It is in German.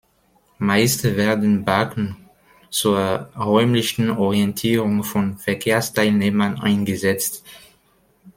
Meist werden Baken zur räumlichen Orientierung von Verkehrsteilnehmern eingesetzt.